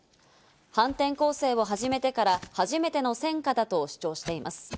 反転攻勢を始めてから初めての戦果だと主張しています。